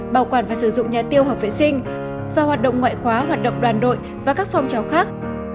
bảo quản và sử dụng nhà tiêu hợp vệ sinh và hoạt động ngoại khóa hoạt động đoàn đội và các phong trào khác